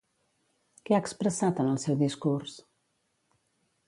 Què ha expressat en el seu discurs?